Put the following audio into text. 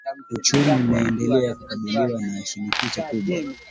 Uchumi unaendelea kukabiliwa na shinikizo kubwa